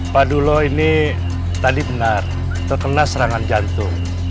pak dulo ini tadi benar terkena serangan jantung